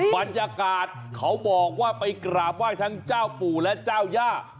บรรยากาศเขาบอกว่าไปกราบไหว้ทั้งเจ้าปู่และเจ้าย่า